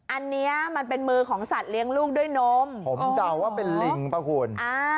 อันนี้มันเป็นมือของสัตว์เลี้ยงลูกด้วยนมผมเดาว่าเป็นลิงป่ะคุณ